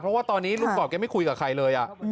เพราะว่าตอนนี้ลุงกรอบแกไม่คุยกับใครเลย